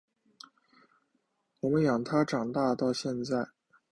我们养他长大到现在